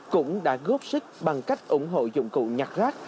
cũng đã góp sức bằng cách ủng hộ dụng cụ nhặt rác